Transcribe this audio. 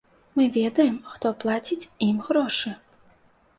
Мы ведаем, хто плаціць ім грошы.